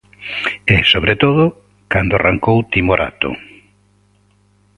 E, sobre todo, cando arrancou timorato.